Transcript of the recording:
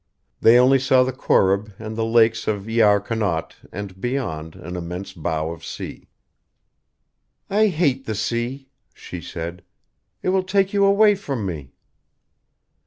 They only saw the Corrib and the lakes of Iar Connaught and, beyond, an immense bow of sea. "I hate the sea," she said. "It will take you away from me."